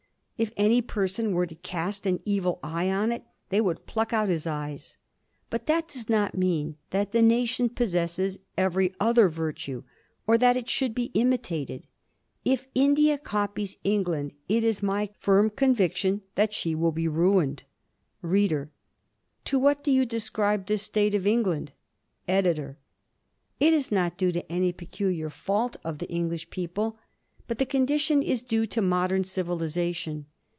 If any person were to cast an evil eye on it, they would pluck out his eyes. But that does not mean that the nation possesses every other virtue or that it should be imitated. If India copies England, it is my firm conviction that she will be ruined. READER: To what do you ascribe this state of England? EDITOR: It is not due to any peculiar fault of the English people, but the condition is due to modern civilization.